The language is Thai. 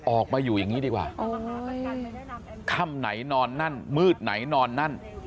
ออกมาอยู่อย่างนี้ดีกว่าค่ำไหนนอนนั่นมืดไหนนอนนั่น